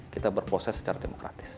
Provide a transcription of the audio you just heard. kita berproses secara demokratis